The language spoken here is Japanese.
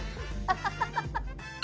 ハハハハ。